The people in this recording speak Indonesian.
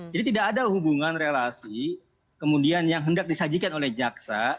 jadi tidak ada hubungan relasi kemudian yang hendak disajikan oleh jaksa